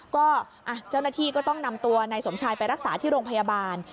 ก็เจ้าหน้าที่ก็ต้องนำตัวนายสมชายไปรักษาที่โรงพยาบาล